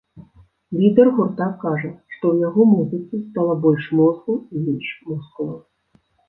Лідэр гурта кажа, што ў яго музыцы стала больш мозгу і менш мускулаў.